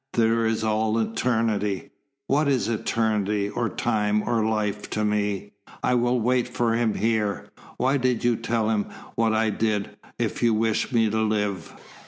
There is all eternity. What is eternity, or time, or life to me? I will wait for him here. Why did you tell him what I did, if you wished me to live?"